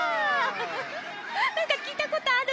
なんかきいたことある。